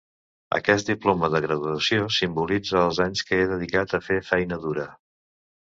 Aquest diploma de graduació simbolitza els anys que he dedicat a fer feina dura.